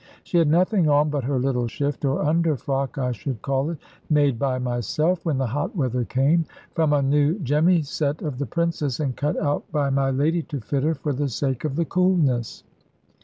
She had nothing on but her little shift, or under frock I should call it, made by myself, when the hot weather came, from a new jemmyset of the Princess, and cut out by my lady to fit her for the sake of the coolness.